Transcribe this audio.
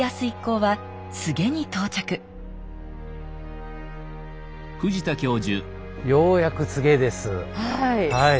はい。